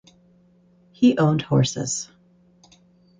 He owned horses.